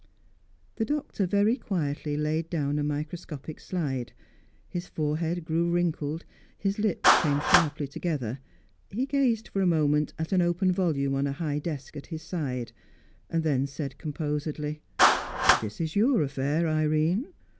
The Doctor very quietly laid down a microscopic slide. His forehead grew wrinkled; his lips came sharply together; he gazed for a moment at an open volume on a high desk at his side, then said composedly: "This is your affair, Irene.